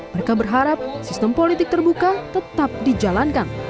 mereka berharap sistem politik terbuka tetap dijalankan